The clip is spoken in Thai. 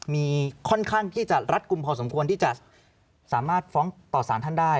มีค่อนข้างที่จะรัดกลุ่มพอสมควรที่จะสามารถฟ้องต่อสารท่านได้